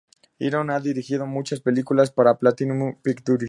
Iron ha dirigido muchas películas para Platinum X Pictures.